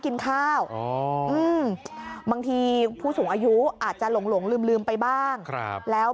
กินข้าวบางทีผู้สูงอายุอาจจะหลงลืมไปบ้างแล้ว